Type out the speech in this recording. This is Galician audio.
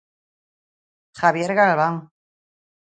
Javier Galván.